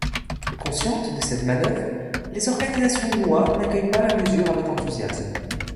Conscientes de cette manœuvre, les organisations noires n'accueillent pas la mesure avec enthousiasme.